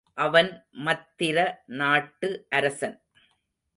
அவன் மத்திர நாட்டு அரசன்.